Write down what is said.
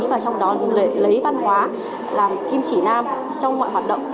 và trong đó cũng lấy văn hóa làm kim chỉ nam trong ngoại hoạt động